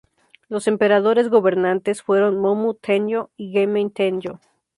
Los emperadores gobernantes fueron Mommu-"tennō" y Gemmei-"tennō".